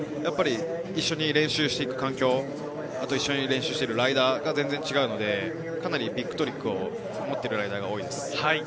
一緒に練習していく環境、一緒に練習しているライダーが全然違うので、ビッグトリックを持っているライダーが多いです。